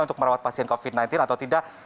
untuk merawat pasien covid sembilan belas atau tidak